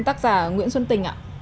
tác giả nguyễn xuân tình ạ